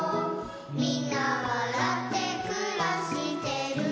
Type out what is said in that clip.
「みんなわらってくらしてる」